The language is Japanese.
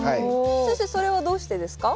先生それはどうしてですか？